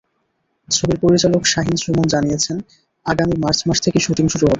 ছবির পরিচালক শাহিন সুমন জানিয়েছেন, আগামী মার্চ মাস থেকে শুটিং শুরু হবে।